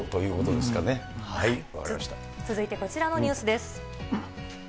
続いてこちらのニュースです。